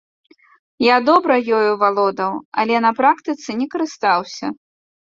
Я добра ёю валодаў, але на практыцы не карыстаўся.